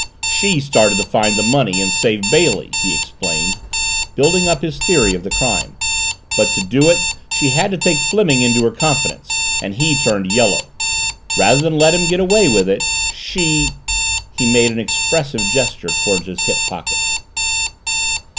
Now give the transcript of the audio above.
"She started to find the money and save Bailey," he explained, building up his theory of the crime. "But to do it she had to take Fleming into her confidence and he turned yellow. Rather than let him get away with it, she " He made an expressive gesture toward his hip pocket.